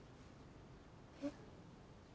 えっ？